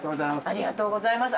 ありがとうございます。